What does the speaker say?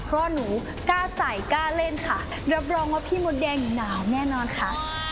เพราะหนูกล้าใส่กล้าเล่นค่ะรับรองว่าพี่มดแดงหนาวแน่นอนค่ะ